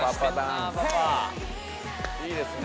いいですね。